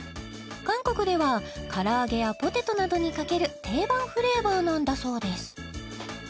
韓国では唐揚げやポテトなどにかける定番フレーバーなんだそうです